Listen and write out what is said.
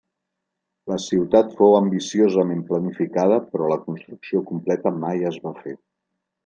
La ciutat fou ambiciosament planificada però la construcció completa mai es va fer.